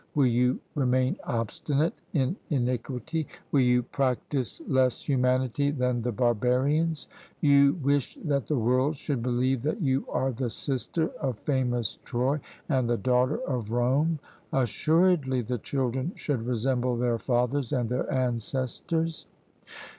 Will you remain obstinate in iniquity? Will you practise less humanity than the barbarians? You wish that the world should believe that you are the sister of famous Troy, and the daughter of Rome; assuredly the children should resemble their fathers and their ancestors.